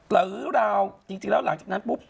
หรือราวจริงแล้วหลังจากนั้นปุ๊บ